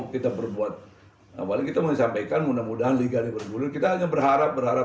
kita berbuat awalnya kita menyampaikan mudah mudahan liga ini bergulir kita hanya berharap berharap